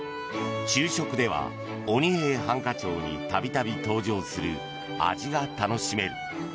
昼食では「鬼平犯科帳」に度々登場する味が楽しめる。